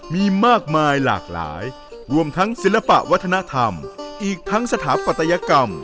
มีมากมายหลากหลายรวมทั้งศิลปะวัฒนธรรมอีกทั้งสถาปัตยกรรม